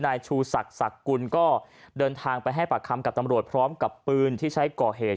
นายชูศักดิ์ศักดิ์กุลก็เดินทางไปให้ปากคำกับตำรวจพร้อมกับปืนที่ใช้ก่อเหตุ